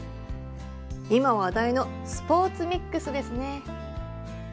今話題のスポーツミックスですね。